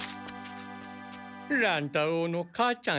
乱太郎の母ちゃん